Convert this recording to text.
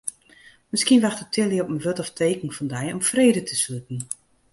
Miskien wachtet Tilly op in wurd of teken fan dy om frede te sluten.